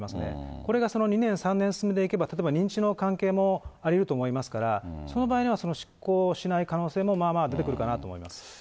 これが２年、３年進んでいけば、例えば認知症の関係もありうると思いますから、その場合には執行しない可能性も、まあまあ出てくるかなと思います。